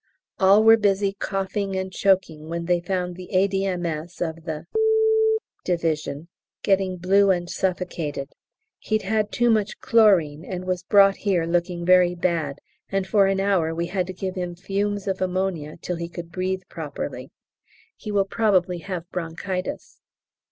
All were busy coughing and choking when they found the A.D.M.S. of the Division getting blue and suffocated; he'd had too much chlorine, and was brought here, looking very bad, and for an hour we had to give him fumes of ammonia till he could breathe properly. He will probably have bronchitis.